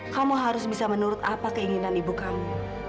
kamu harus bisa menurut apa keinginan ibu kamu